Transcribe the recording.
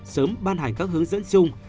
sớm ban hành các hướng dẫn chung